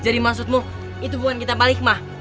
jadi maksudmu itu bukan kita balik mah